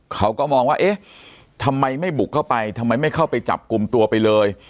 เขาก็มองว่าเอ๊ะทำไมไม่บุกเข้าไปทำไมไม่เข้าไปจับกลุ่มตัวไปเลย